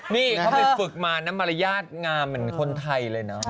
นี่เขาไปฝึกมาน้ำมารยาทงามเหมือนคนไทยเลยเนอะ